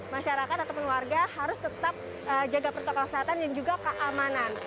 masyarakat ataupun warga harus tetap jaga protokol kesehatan dan juga keamanan